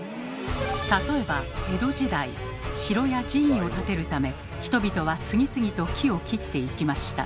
例えば江戸時代城や寺院を建てるため人々は次々と木を切っていきました。